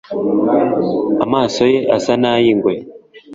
Amaso ye asa n'ay'ingwe.